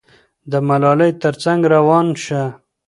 د ملالۍ تر څنګ روان شه.